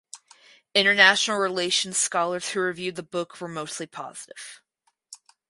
International Relations scholars who reviewed the book were mostly positive.